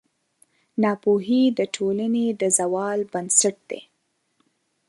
ناپوهي د ټولنې د زوال بنسټ دی.